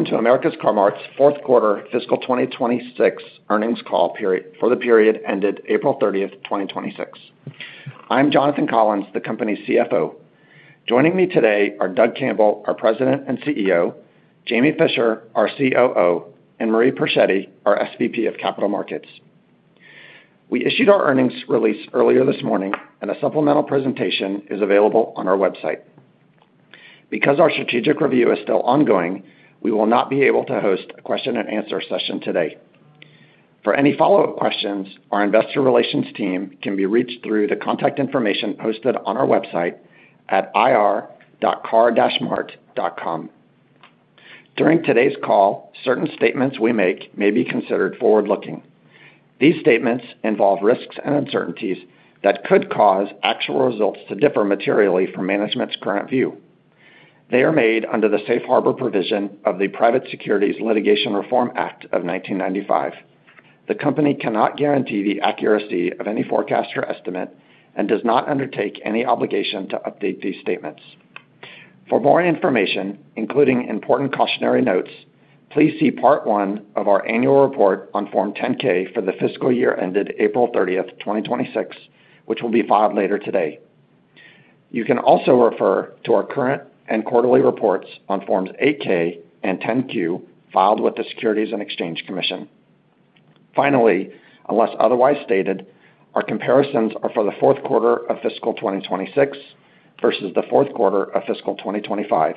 Welcome to America's Car-Mart's fourth quarter fiscal 2026 earnings call for the period ended April 30th, 2026. I'm Jonathan Collins, the company's CFO. Joining me today are Doug Campbell, our President and CEO, Jamie Fischer, our COO, and Marie Persichetti, our SVP of Capital Markets. We issued our earnings release earlier this morning, and a supplemental presentation is available on our website. Because our strategic review is still ongoing, we will not be able to host a question-and-answer session today. For any follow-up questions, our investor relations team can be reached through the contact information posted on our website at ir.car-mart.com. During today's call, certain statements we make may be considered forward-looking. These statements involve risks and uncertainties that could cause actual results to differ materially from management's current view. They are made under the Safe Harbor provision of the Private Securities Litigation Reform Act of 1995. The company cannot guarantee the accuracy of any forecast or estimate and does not undertake any obligation to update these statements. For more information, including important cautionary notes, please see Part One of our annual report on Form 10-K for the fiscal year ended April 30th, 2026, which will be filed later today. You can also refer to our current and quarterly reports on Forms 8-K and 10-Q filed with the Securities and Exchange Commission. Finally, unless otherwise stated, our comparisons are for the fourth quarter of fiscal 2026 versus the fourth quarter of fiscal 2025.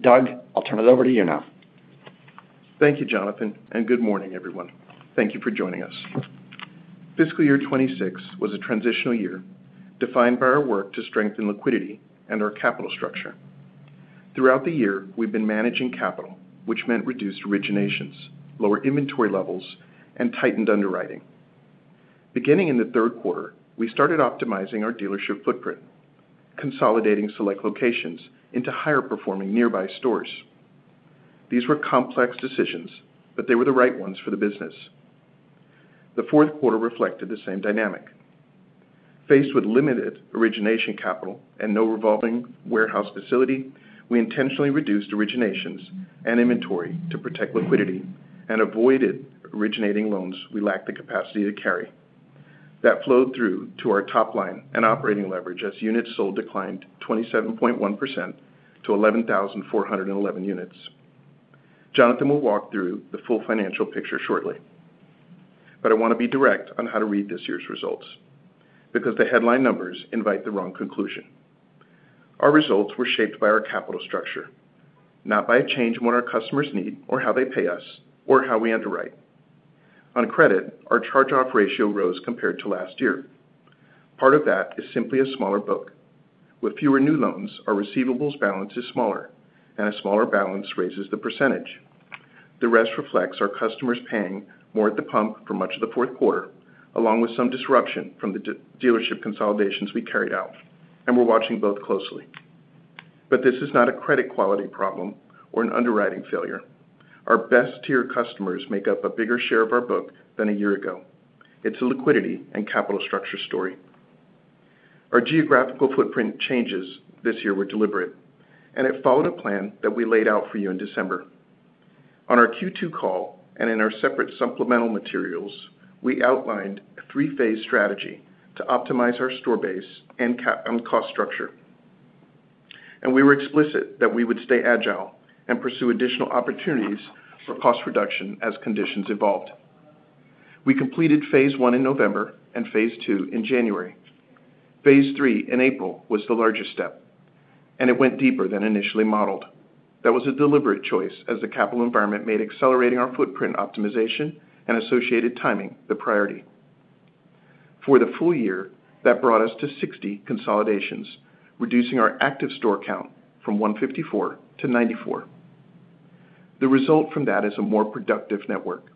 Doug, I'll turn it over to you now. Thank you, Jonathan. Good morning, everyone. Thank you for joining us. Fiscal year 2026 was a transitional year, defined by our work to strengthen liquidity and our capital structure. Throughout the year, we've been managing capital, which meant reduced originations, lower inventory levels, and tightened underwriting. Beginning in the third quarter, we started optimizing our dealership footprint, consolidating select locations into higher-performing nearby stores. These were complex decisions, but they were the right ones for the business. The fourth quarter reflected the same dynamic. Faced with limited origination capital and no revolving warehouse facility, we intentionally reduced originations and inventory to protect liquidity and avoided originating loans we lacked the capacity to carry. That flowed through to our top line and operating leverage as units sold declined 27.1% to 11,411 units. Jonathan will walk through the full financial picture shortly. I want to be direct on how to read this year's results, because the headline numbers invite the wrong conclusion. Our results were shaped by our capital structure, not by a change in what our customers need or how they pay us or how we underwrite. On credit, our charge-off ratio rose compared to last year. Part of that is simply a smaller book. With fewer new loans, our receivables balance is smaller, and a smaller balance raises the percentage. The rest reflects our customers paying more at the pump for much of the fourth quarter, along with some disruption from the dealership consolidations we carried out, and we're watching both closely. This is not a credit quality problem or an underwriting failure. Our best-tier customers make up a bigger share of our book than a year ago. It's a liquidity and capital structure story. Our geographical footprint changes this year were deliberate, it followed a plan that we laid out for you in December. On our Q2 call and in our separate supplemental materials, we outlined a three-phase strategy to optimize our store base and cost structure. We were explicit that we would stay agile and pursue additional opportunities for cost reduction as conditions evolved. We completed phase I in November and phase II in January. Phase III in April was the largest step, and it went deeper than initially modeled. That was a deliberate choice as the capital environment made accelerating our footprint optimization and associated timing the priority. For the full year, that brought us to 60 consolidations, reducing our active store count from 154-94. The result from that is a more productive network.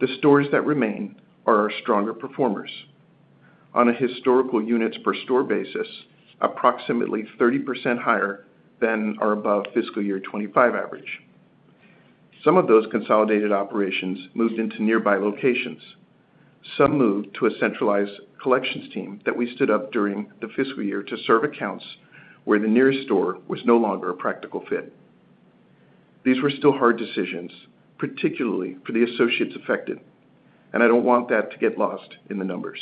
The stores that remain are our stronger performers. On a historical units per store basis, approximately 30% higher than our above fiscal year 2025 average. Some of those consolidated operations moved into nearby locations. Some moved to a centralized collections team that we stood up during the fiscal year to serve accounts where the nearest store was no longer a practical fit. These were still hard decisions, particularly for the associates affected, I don't want that to get lost in the numbers.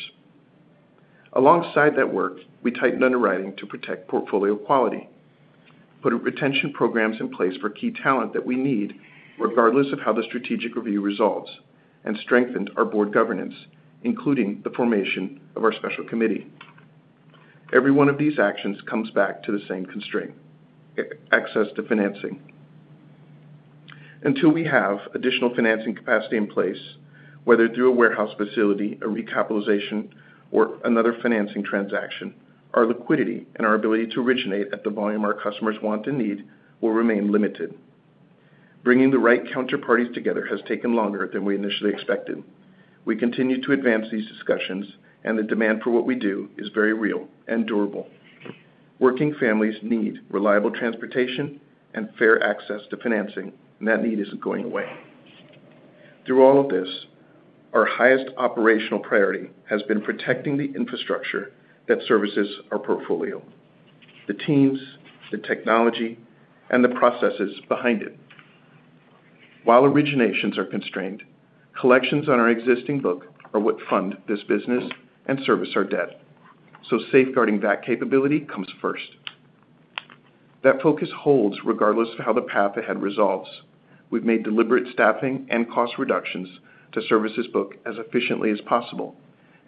Alongside that work, we tightened underwriting to protect portfolio quality, put retention programs in place for key talent that we need regardless of how the strategic review results, and strengthened our board governance, including the formation of our special committee. Every one of these actions comes back to the same constraint, access to financing. Until we have additional financing capacity in place, whether through a warehouse facility, a recapitalization or another financing transaction, our liquidity and our ability to originate at the volume our customers want and need will remain limited. Bringing the right counterparties together has taken longer than we initially expected. We continue to advance these discussions, the demand for what we do is very real and durable. Working families need reliable transportation and fair access to financing, that need isn't going away. Through all of this, our highest operational priority has been protecting the infrastructure that services our portfolio, the teams, the technology, and the processes behind it. While originations are constrained, collections on our existing book are what fund this business and service our debt. Safeguarding that capability comes first. That focus holds regardless of how the path ahead resolves. We've made deliberate staffing and cost reductions to service this book as efficiently as possible,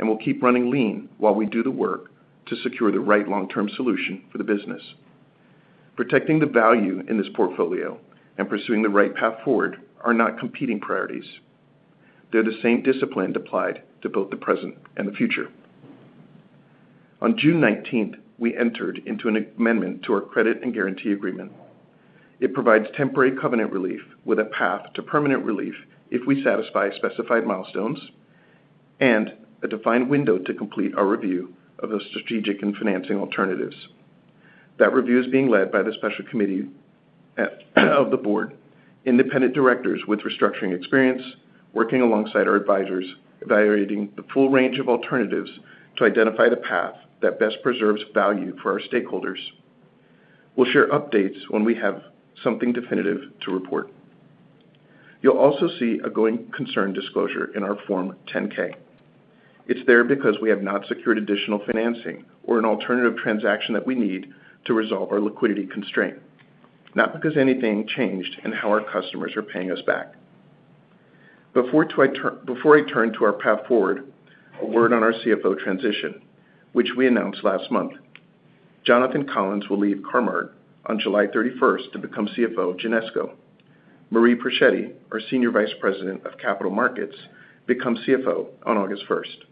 we'll keep running lean while we do the work to secure the right long-term solution for the business. Protecting the value in this portfolio and pursuing the right path forward are not competing priorities. They're the same discipline applied to both the present and the future. On June 19th, we entered into an amendment to our credit and guarantee agreement. It provides temporary covenant relief with a path to permanent relief if we satisfy specified milestones, a defined window to complete our review of those strategic and financing alternatives. That review is being led by the special committee of the Board, Independent Directors with restructuring experience, working alongside our advisors, evaluating the full range of alternatives to identify the path that best preserves value for our stakeholders. We'll share updates when we have something definitive to report. You'll also see a going concern disclosure in our Form 10-K. It's there because we have not secured additional financing or an alternative transaction that we need to resolve our liquidity constraint, not because anything changed in how our customers are paying us back. Before I turn to our path forward, a word on our CFO transition, which we announced last month. Jonathan Collins will leave Car-Mart on July 31st to become CFO of Genesco. Marie Persichetti, our Senior Vice President of Capital Markets, becomes CFO on August 1st.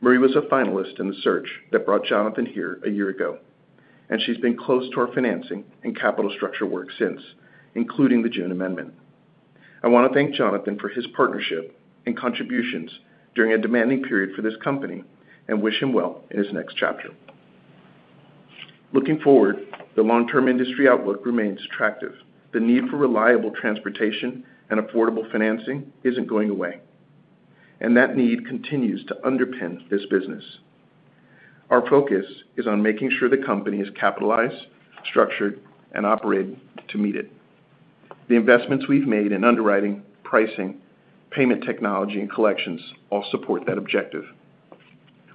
Marie was a finalist in the search that brought Jonathan here a year ago, and she's been close to our financing and capital structure work since, including the June amendment. I want to thank Jonathan for his partnership and contributions during a demanding period for this company and wish him well in his next chapter. Looking forward, the long-term industry outlook remains attractive. The need for reliable transportation and affordable financing isn't going away, and that need continues to underpin this business. Our focus is on making sure the company is capitalized, structured, and operating to meet it. The investments we've made in underwriting, pricing, payment technology, and collections all support that objective.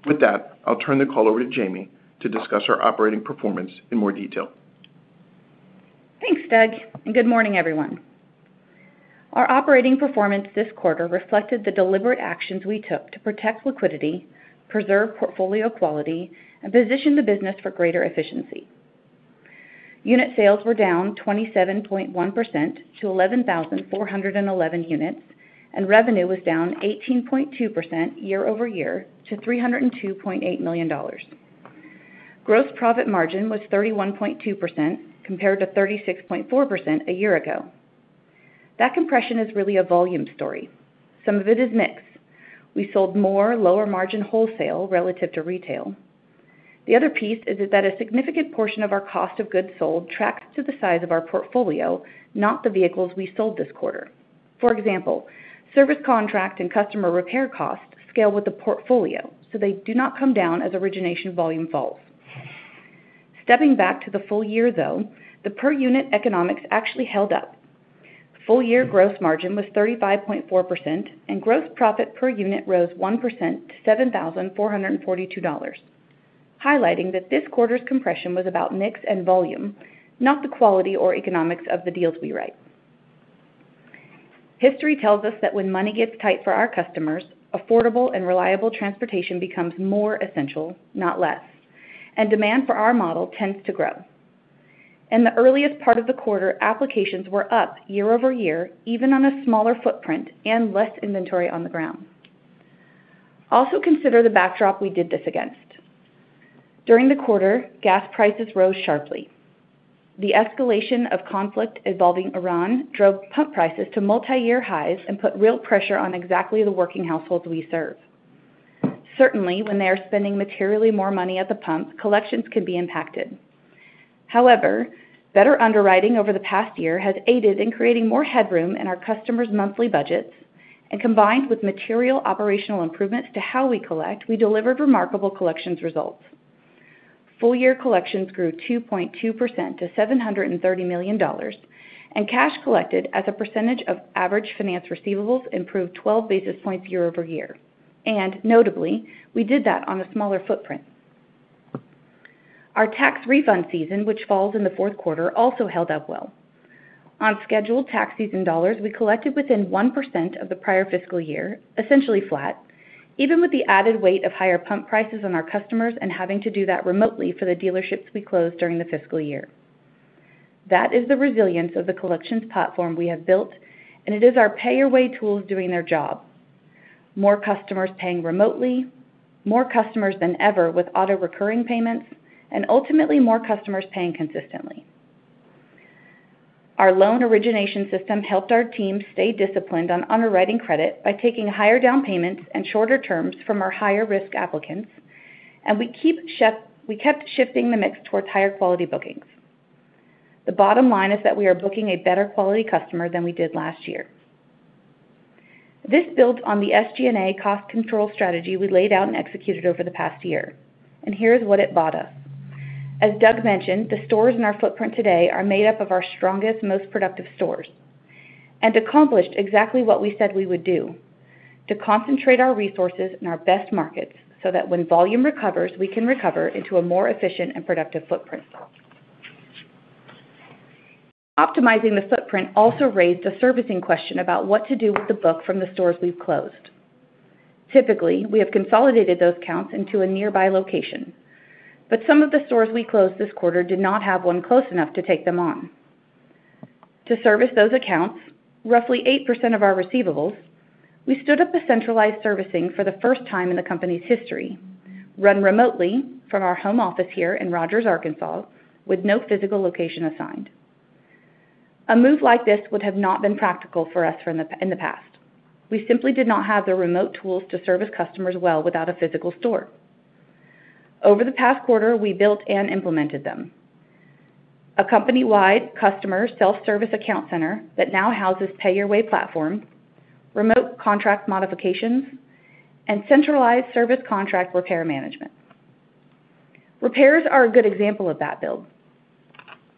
With that, I'll turn the call over to Jamie to discuss our operating performance in more detail. Thanks, Doug, and good morning, everyone. Our operating performance this quarter reflected the deliberate actions we took to protect liquidity, preserve portfolio quality, and position the business for greater efficiency. Unit sales were down 27.1% to 11,411 units, and revenue was down 18.2% year-over-year to $302.8 million. Gross profit margin was 31.2%, compared to 36.4% a year ago. That compression is really a volume story. Some of it is mix. We sold more lower-margin wholesale relative to retail. The other piece is that a significant portion of our cost of goods sold tracks to the size of our portfolio, not the vehicles we sold this quarter. For example, service contract and customer repair costs scale with the portfolio, so they do not come down as origination volume falls. Stepping back to the full year, though, the per-unit economics actually held up. Full-year gross margin was 35.4%, and gross profit per unit rose 1% to $7,442, highlighting that this quarter's compression was about mix and volume, not the quality or economics of the deals we write. History tells us that when money gets tight for our customers, affordable and reliable transportation becomes more essential, not less, and demand for our model tends to grow. In the earliest part of the quarter, applications were up year-over-year, even on a smaller footprint and less inventory on the ground. Also consider the backdrop we did this against. During the quarter, gas prices rose sharply. The escalation of conflict involving Iran drove pump prices to multiyear highs and put real pressure on exactly the working households we serve. Certainly, when they are spending materially more money at the pump, collections can be impacted. However, better underwriting over the past year has aided in creating more headroom in our customers' monthly budgets, and combined with material operational improvements to how we collect, we delivered remarkable collections results. Full-year collections grew 2.2% to $730 million, and cash collected as a percentage of average finance receivables improved 12 basis points year-over-year. Notably, we did that on a smaller footprint. Our tax refund season, which falls in the fourth quarter, also held up well. On scheduled tax season dollars, we collected within 1% of the prior fiscal year, essentially flat, even with the added weight of higher pump prices on our customers and having to do that remotely for the dealerships we closed during the fiscal year. That is the resilience of the collections platform we have built, and it is our Pay Your Way tools doing their job. More customers paying remotely, more customers than ever with auto-recurring payments, and ultimately, more customers paying consistently. Our loan origination system helped our team stay disciplined on underwriting credit by taking higher down payments and shorter terms from our higher-risk applicants. We kept shifting the mix towards higher-quality bookings. The bottom line is that we are booking a better quality customer than we did last year. This builds on the SG&A cost control strategy we laid out and executed over the past year. Here is what it bought us. As Doug mentioned, the stores in our footprint today are made up of our strongest, most productive stores and accomplished exactly what we said we would do: to concentrate our resources in our best markets, so that when volume recovers, we can recover into a more efficient and productive footprint. Optimizing the footprint also raised a servicing question about what to do with the book from the stores we've closed. Typically, we have consolidated those accounts into a nearby location, but some of the stores we closed this quarter did not have one close enough to take them on. To service those accounts, roughly 8% of our receivables, we stood up a centralized servicing for the first time in the company's history, run remotely from our home office here in Rogers, Arkansas, with no physical location assigned. A move like this would have not been practical for us in the past. We simply did not have the remote tools to service customers well without a physical store. Over the past quarter, we built and implemented them. A company-wide customer self-service account center that now houses Pay Your Way platform, remote contract modifications, and centralized service contract repair management. Repairs are a good example of that build.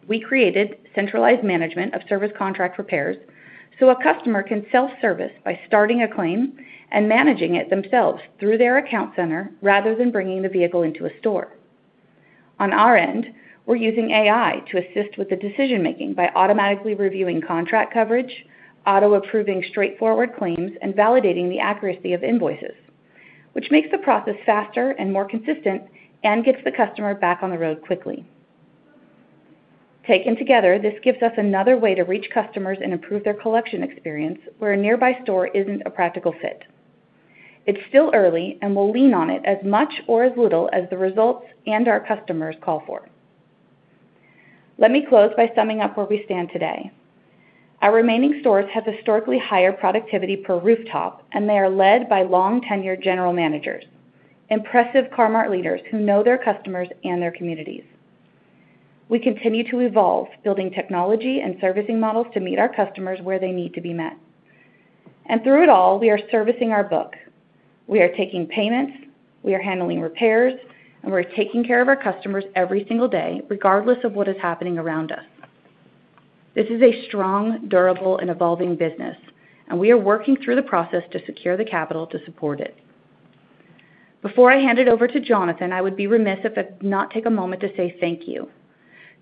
We created centralized management of service contract repairs so a customer can self-service by starting a claim and managing it themselves through their account center rather than bringing the vehicle into a store. On our end, we're using AI to assist with the decision-making by automatically reviewing contract coverage, auto-approving straightforward claims, and validating the accuracy of invoices, which makes the process faster and more consistent and gets the customer back on the road quickly. Taken together, this gives us another way to reach customers and improve their collection experience where a nearby store isn't a practical fit. It's still early. We'll lean on it as much or as little as the results and our customers call for. Let me close by summing up where we stand today. Our remaining stores have historically higher productivity per rooftop, and they are led by long-tenured general managers, impressive Car-Mart leaders who know their customers and their communities. We continue to evolve, building technology and servicing models to meet our customers where they need to be met. Through it all, we are servicing our book. We are taking payments, we are handling repairs, and we're taking care of our customers every single day, regardless of what is happening around us. This is a strong, durable, and evolving business, and we are working through the process to secure the capital to support it. Before I hand it over to Jonathan, I would be remiss if I did not take a moment to say thank you.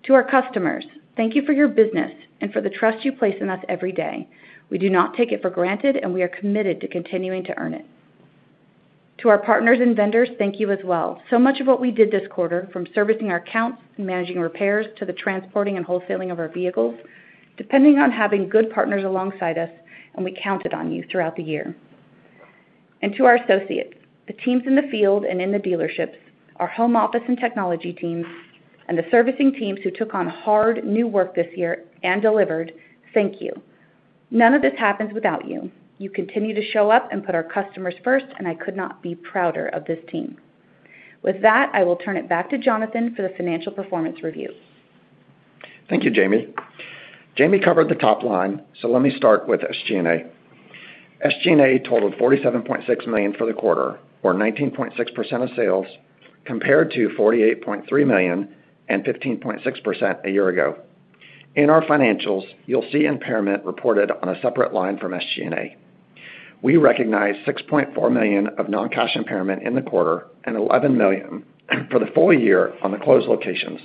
To our customers, thank you for your business and for the trust you place in us every day. We do not take it for granted, and we are committed to continuing to earn it. To our partners and vendors, thank you as well. Much of what we did this quarter, from servicing our accounts and managing repairs to the transporting and wholesaling of our vehicles, depending on having good partners alongside us, and we counted on you throughout the year. To our associates, the teams in the field and in the dealerships, our home office and technology teams, and the servicing teams who took on hard new work this year and delivered, thank you. None of this happens without you. You continue to show up and put our customers first, and I could not be prouder of this team. With that, I will turn it back to Jonathan for the financial performance review. Thank you, Jamie. Jamie covered the top line, let me start with SG&A. SG&A totaled $47.6 million for the quarter or 19.6% of sales, compared to $48.3 million and 15.6% a year ago. In our financials, you'll see impairment reported on a separate line from SG&A. We recognized $6.4 million of non-cash impairment in the quarter and $11 million for the full year on the closed locations.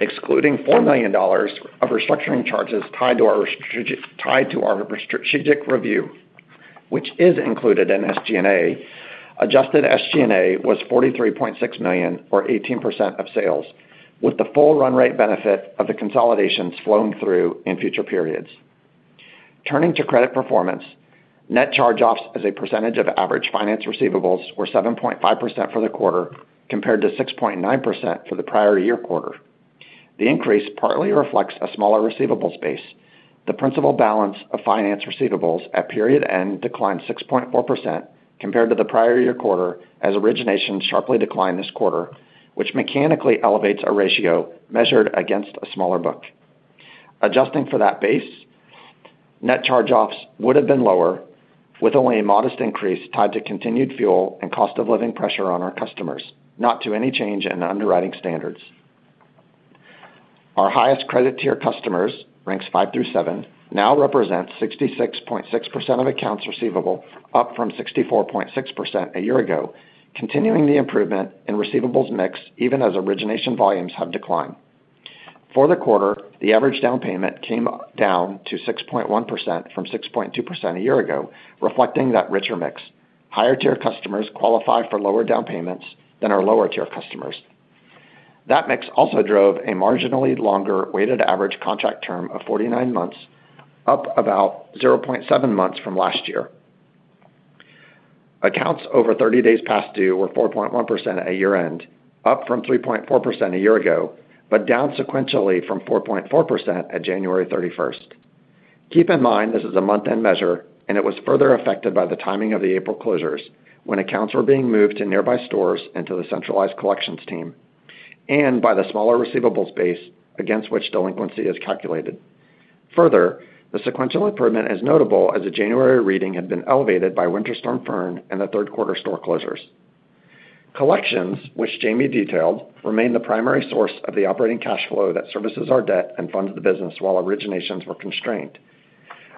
Excluding $4 million of restructuring charges tied to our strategic review, which is included in SG&A, adjusted SG&A was $43.6 million or 18% of sales, with the full run rate benefit of the consolidations flowing through in future periods. Turning to credit performance, net charge-offs as a percentage of average finance receivables were 7.5% for the quarter, compared to 6.9% for the prior year quarter. The increase partly reflects a smaller receivables base. The principal balance of finance receivables at period end declined 6.4% compared to the prior year quarter as origination sharply declined this quarter, which mechanically elevates a ratio measured against a smaller book. Adjusting for that base, net charge-offs would have been lower, with only a modest increase tied to continued fuel and cost of living pressure on our customers, not to any change in underwriting standards. Our highest credit tier customers, ranks five through seven, now represent 66.6% of accounts receivable, up from 64.6% a year ago, continuing the improvement in receivables mix even as origination volumes have declined. For the quarter, the average down payment came down to 6.1% from 6.2% a year ago, reflecting that richer mix. Higher-tier customers qualify for lower down payments than our lower-tier customers. That mix also drove a marginally longer weighted average contract term of 49 months, up about zero point seven months from last year. Accounts over 30 days past due were 4.1% at year-end, up from 3.4% a year ago, down sequentially from 4.4% at January 31st. Keep in mind, this is a month-end measure, it was further affected by the timing of the April closures when accounts were being moved to nearby stores and to the centralized collections team, by the smaller receivables base against which delinquency is calculated. Further, the sequential improvement is notable as the January reading had been elevated by Winter Storm Fern and the third quarter store closures. Collections, which Jamie detailed, remained the primary source of the operating cash flow that services our debt and funds the business while originations were constrained.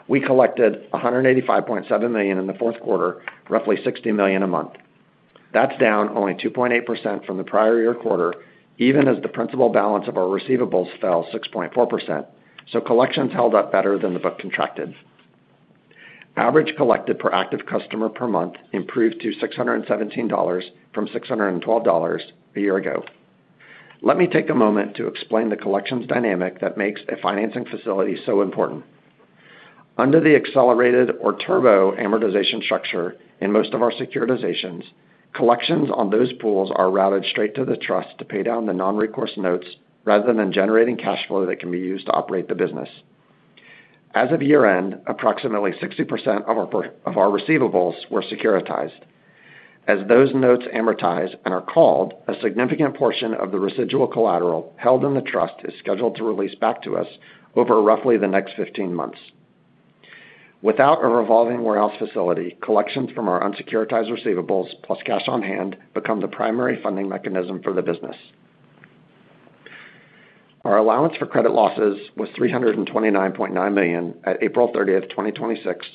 We collected $185.7 million in the fourth quarter, roughly $60 million a month. That's down only 2.8% from the prior year quarter, even as the principal balance of our receivables fell 6.4%. Collections held up better than the book contracted. Average collected per active customer per month improved to $617 from $612 a year ago. Let me take a moment to explain the collections dynamic that makes a financing facility so important. Under the accelerated or turbo amortization structure in most of our securitizations, collections on those pools are routed straight to the trust to pay down the non-recourse notes rather than generating cash flow that can be used to operate the business. As of year-end, approximately 60% of our receivables were securitized. As those notes amortize and are called, a significant portion of the residual collateral held in the trust is scheduled to release back to us over roughly the next 15 months. Without a revolving warehouse facility, collections from our unsecuritized receivables plus cash on hand become the primary funding mechanism for the business. Our allowance for credit losses was $329.9 million at April 30th, 2026,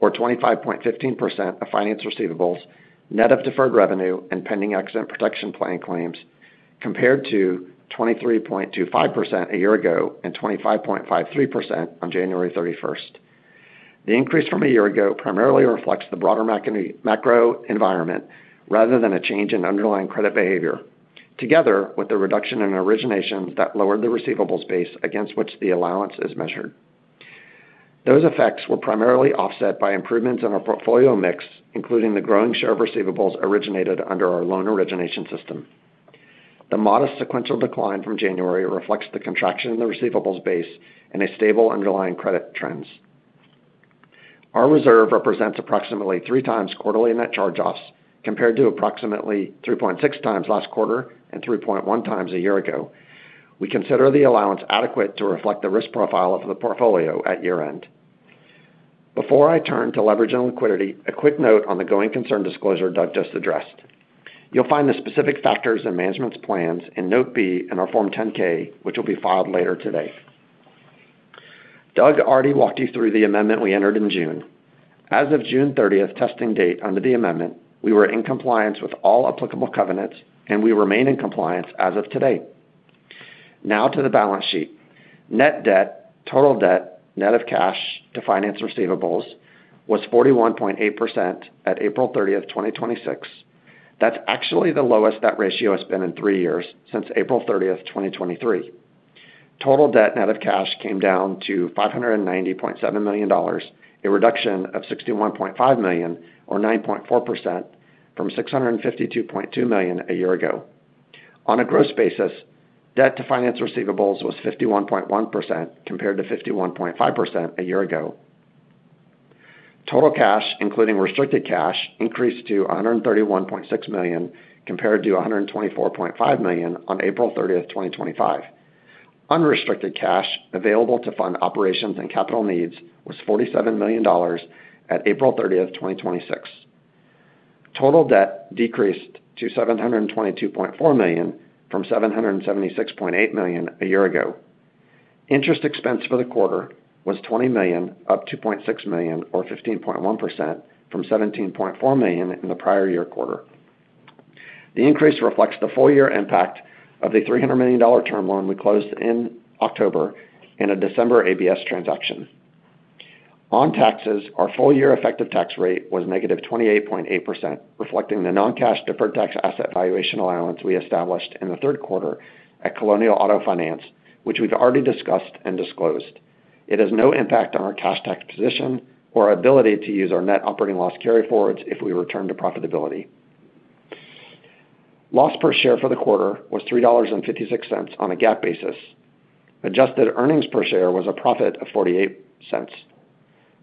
or 25.15% of finance receivables, net of deferred revenue and pending accident protection plan claims, compared to 23.25% a year ago and 25.53% on January 31st. The increase from a year ago primarily reflects the broader macro environment rather than a change in underlying credit behavior, together with the reduction in origination that lowered the receivables base against which the allowance is measured. Those effects were primarily offset by improvements in our portfolio mix, including the growing share of receivables originated under our loan origination system. The modest sequential decline from January reflects the contraction in the receivables base and a stable underlying credit trends. Our reserve represents approximately 3x quarterly net charge-offs, compared to approximately 3.6x last quarter and 3.1x a year ago. We consider the allowance adequate to reflect the risk profile of the portfolio at year-end. Before I turn to leverage and liquidity, a quick note on the going concern disclosure Doug just addressed. You'll find the specific factors and management's plans in Note B in our Form 10-K, which will be filed later today. Doug already walked you through the amendment we entered in June. As of June 30th testing date under the amendment, we were in compliance with all applicable covenants, and we remain in compliance as of today. Now to the balance sheet. Net debt, total debt, net of cash to finance receivables was 41.8% at April 30th, 2026. That is actually the lowest that ratio has been in three years since April 30th, 2023. Total debt net of cash came down to $590.7 million, a reduction of $61.5 million or 9.4% from $652.2 million a year ago. On a gross basis, debt to finance receivables was 51.1% compared to 51.5% a year ago. Total cash, including restricted cash, increased to $131.6 million compared to $124.5 million on April 30th, 2025. Unrestricted cash available to fund operations and capital needs was $47 million at April 30th, 2026. Total debt decreased to $722.4 million from $776.8 million a year ago. Interest expense for the quarter was $20 million, up $2.6 million or 15.1% from $17.4 million in the prior year quarter. The increase reflects the full-year impact of the $300 million term loan we closed in October in a December ABS transaction. On taxes, our full-year effective tax rate was -28.8%, reflecting the non-cash deferred tax asset valuation allowance we established in the third quarter at Colonial Auto Finance, which we have already discussed and disclosed. It has no impact on our cash tax position or ability to use our net operating loss carryforwards if we return to profitability. Loss per share for the quarter was $3.56 on a GAAP basis. Adjusted earnings per share was a profit of $0.48.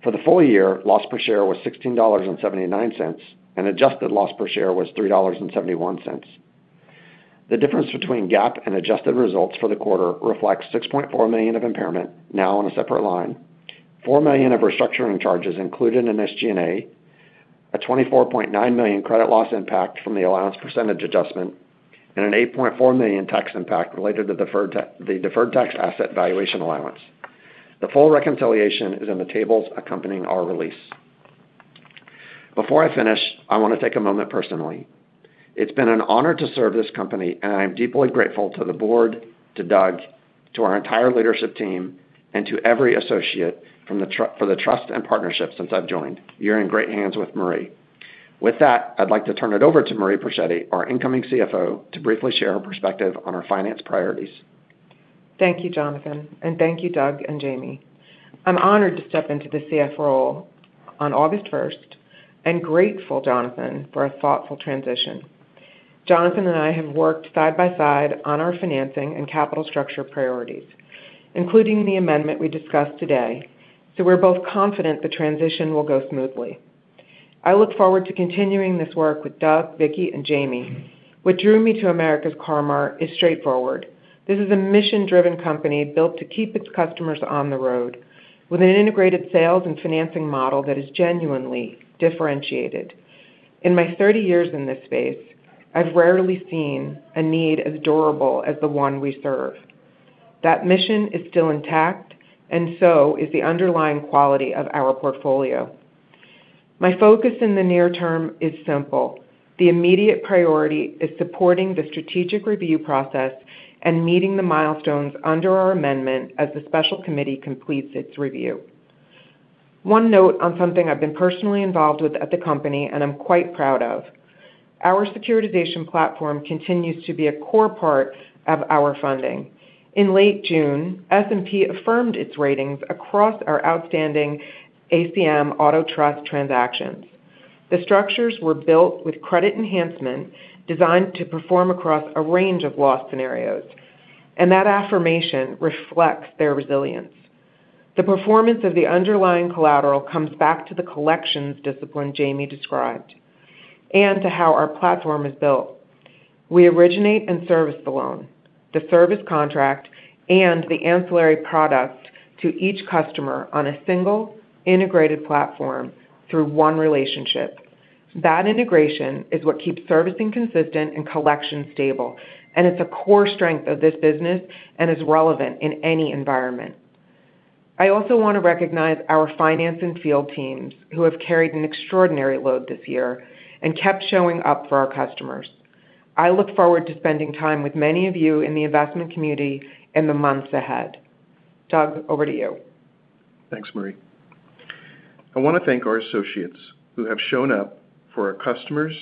For the full year, loss per share was $16.79 and adjusted loss per share was $3.71. The difference between GAAP and adjusted results for the quarter reflects $6.4 million of impairment, now on a separate line, $4 million of restructuring charges included in SG&A, a $24.9 million credit loss impact from the allowance percentage adjustment, and an $8.4 million tax impact related to the deferred tax asset valuation allowance. The full reconciliation is in the tables accompanying our release. Before I finish, I want to take a moment personally. It has been an honor to serve this company, and I am deeply grateful to the board, to Doug, to our entire leadership team, and to every associate for the trust and partnership since I have joined. You are in great hands with Marie. With that, I would like to turn it over to Marie Persichetti, our incoming CFO, to briefly share her perspective on our finance priorities. Thank you, Jonathan. Thank you, Doug and Jamie. I'm honored to step into the CFO role on August 1st and grateful, Jonathan, for a thoughtful transition. Jonathan and I have worked side by side on our financing and capital structure priorities, including the amendment we discussed today. We're both confident the transition will go smoothly. I look forward to continuing this work with Doug, Vickie, and Jamie. What drew me to America's Car-Mart is straightforward. This is a mission-driven company built to keep its customers on the road with an integrated sales and financing model that is genuinely differentiated. In my 30 years in this space, I have rarely seen a need as durable as the one we serve. That mission is still intact, and so is the underlying quality of our portfolio. My focus in the near term is simple. The immediate priority is supporting the strategic review process and meeting the milestones under our amendment as the special committee completes its review. One note on something I've been personally involved with at the company and am quite proud of. Our securitization platform continues to be a core part of our funding. In late June, S&P affirmed its ratings across our outstanding ACM Auto Trust transactions. The structures were built with credit enhancement designed to perform across a range of loss scenarios, and that affirmation reflects their resilience. The performance of the underlying collateral comes back to the collections discipline Jamie described and to how our platform is built. We originate and service the loan, the service contract, and the ancillary products to each customer on a single integrated platform through one relationship. That integration is what keeps servicing consistent and collections stable. It's a core strength of this business and is relevant in any environment. I also want to recognize our finance and field teams who have carried an extraordinary load this year and kept showing up for our customers. I look forward to spending time with many of you in the investment community in the months ahead. Doug, over to you. Thanks, Marie. I want to thank our associates who have shown up for our customers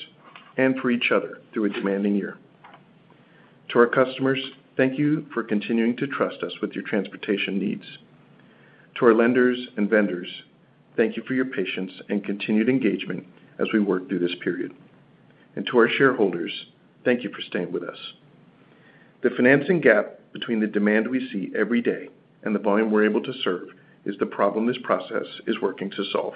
and for each other through a demanding year. To our customers, thank you for continuing to trust us with your transportation needs. To our lenders and vendors, thank you for your patience and continued engagement as we work through this period. To our shareholders, thank you for staying with us. The financing gap between the demand we see every day and the volume we're able to serve is the problem this process is working to solve.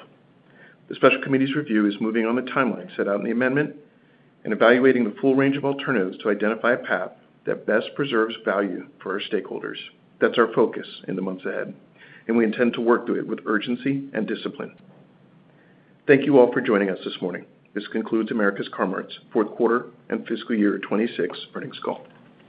The special committee's review is moving on the timeline set out in the amendment and evaluating the full range of alternatives to identify a path that best preserves value for our stakeholders. That's our focus in the months ahead. We intend to work through it with urgency and discipline. Thank you all for joining us this morning. This concludes America's Car-Mart's fourth quarter and fiscal year 2026 earnings call.